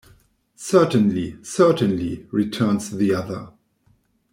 "Certainly, certainly," returns the other.